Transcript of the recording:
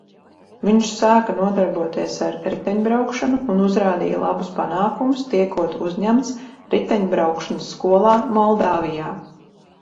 Viņš sāka nodarboties ar riteņbraukšanu un uzrādīja labus panākumus, tiekot uzņemts riteņbraukšanas skolā Moldāvijā.